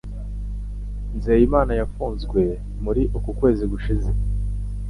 Nzeyimana yafunzwe muri uku kwezi gushize